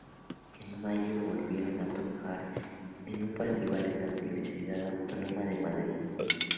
En mayo volvieron a tocar en un festival de la Universidad Autónoma de Madrid.